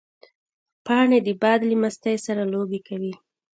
پاڼې د باد له مستۍ سره لوبې کوي